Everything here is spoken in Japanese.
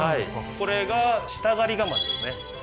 これが下刈り鎌ですね